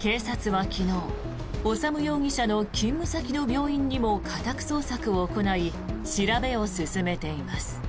警察は昨日修容疑者の勤務先の病院にも家宅捜索を行い調べを進めています。